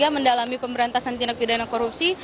mendalami pemberantasan tindak pidana korupsi